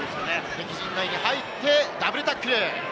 敵陣内に入ってダブルタックル。